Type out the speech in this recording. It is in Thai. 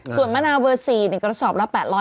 ส่วนมะนาวเวอร์๔เนี่ยกระสอบละ